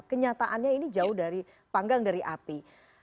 kenyataannya ini jauh dari panggang dari api